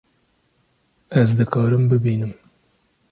Ez dikarim bibînim